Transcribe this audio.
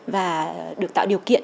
và được tạo điều kiện